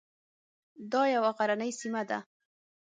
دا یوه غرنۍ سیمه ده.